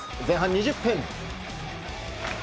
前半２０分。